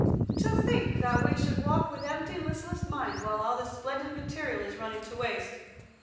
To think that we should walk with empty, listless minds while all this splendid material is running to waste.